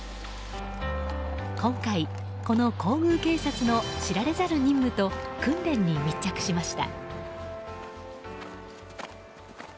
今回、この皇宮警察の知られざる任務と訓練に密着しました。